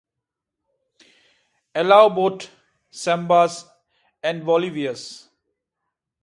Allows both "sambas" and "bolivias".